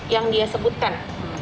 yang dia sebutkan